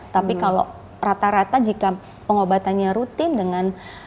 tapi kalau rata rata jika pengobatannya rutin dengan